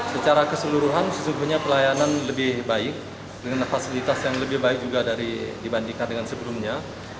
secara keseluruhan sesungguhnya pelayanan lebih baik dengan fasilitas yang lebih baik juga dibandingkan dengan sebelumnya